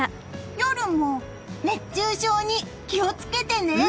夜も熱中症に気を付けてね！